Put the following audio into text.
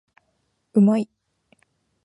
うまい